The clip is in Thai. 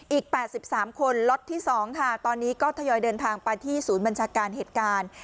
อีก๘๓คนล็อตที่๒ค่ะตอนนี้ก็ทยอยเดินทางไปที่ศูนย์บัญชาการเหตุการณ์